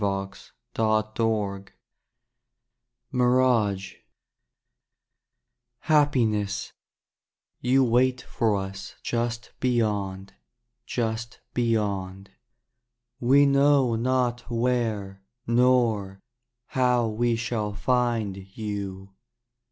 DAY DREAMS MIRAGE Happiness — you wait for us Just beyond, Just beyond. We know not where, Nor how we shall find you.